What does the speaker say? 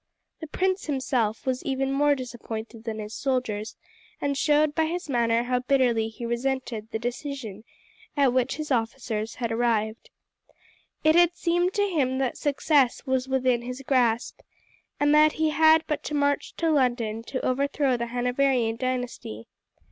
The prince himself was even more disappointed than his soldiers, and showed by his manner how bitterly he resented the decision at which his officers had arrived. It had seemed to him that success was within his grasp, and that he had but to march to London to overthrow the Hanoverian dynasty.